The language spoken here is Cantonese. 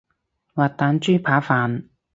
滑蛋豬扒飯